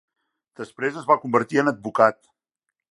Després es va convertir en advocat.